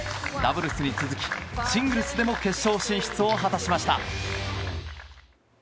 ダブルスに続きシングルスでも決勝進出を果たしました。